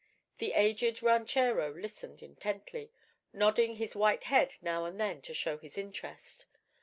The aged ranchero listened intently, nodding his white head now and then to show his interest.